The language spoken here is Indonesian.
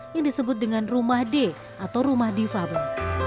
yang disebut dengan rumah d atau rumah defable